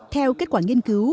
theo kết quả nghiên cứu